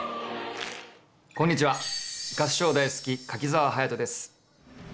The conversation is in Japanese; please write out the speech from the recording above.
こんにちは合唱大好き柿澤勇人です。